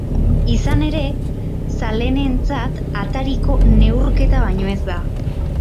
Izan ere, zaleenetzat atariko neurketa baino ez da.